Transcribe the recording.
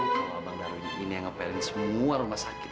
tentu ada yang tahu kalau bang darwin ini yang ngepelin semua rumah sakit